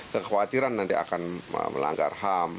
kekhawatiran nanti akan melanggar ham